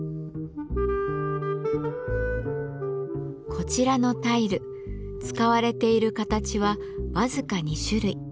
こちらのタイル使われている形は僅か２種類。